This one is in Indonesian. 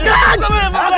aku hantam kamu